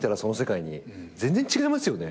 全然違いますよね。